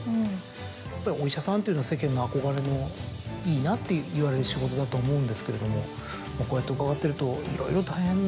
やっぱりお医者さんというのは世間の憧れのいいなって言われる仕事だと思うんですけれどもこうやって伺ってるといろいろ大変な。